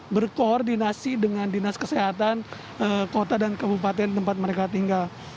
berkoordinasi dengan dinas kesehatan kota dan kabupaten tempat mereka tinggal